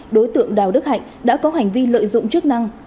đối tượng đào đức hạnh đã có hành vi lợi dụng chức năng